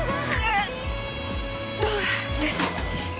「よし」